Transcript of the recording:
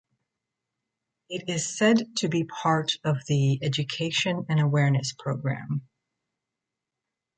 It is said to be the part of the education and awareness programme.